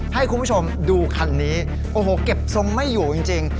ให้คุณผู้ชมดูคันนี้โอ้โหเก็บทรงไม่อยู่จริง